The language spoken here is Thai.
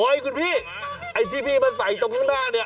โอ้ให้คุณพี่ไอ้ที่พี่เอามาใส่ตรงข้างหน้าเนี่ย